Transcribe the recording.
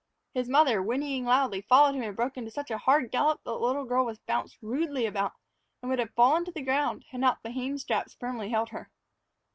His mother, whinnying loudly, followed him and broke into such a hard gallop that the little girl was bounced rudely about and would have fallen to the ground had not the hame straps firmly held her.